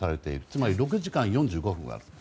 つまり６時間４５分ある。